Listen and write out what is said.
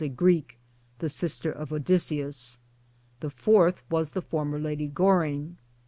123 Greek, the sister of Odysseus ; the fourth was the former Lady Goring.